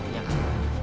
ayah saya sudah meninggal